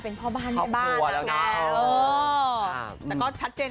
เพราะสองคนตอนนี้ก็จะเป็น